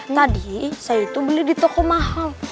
tadi saya itu beli di toko mahal